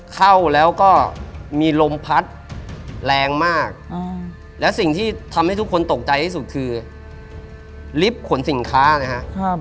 เข้าแล้วก็มีลมพัดแรงมากแล้วสิ่งที่ทำให้ทุกคนตกใจที่สุดคือลิฟต์ขนสินค้านะฮะ